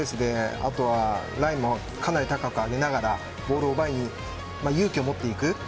あとはラインもかなり高く上げながらボールを奪いに勇気を持っていく。